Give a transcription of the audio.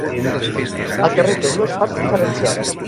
El carrer té dues parts diferenciades.